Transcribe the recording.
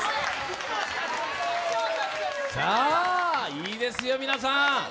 いいですよ、皆さん。